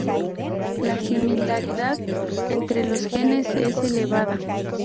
La similaridad entre los genes es elevada.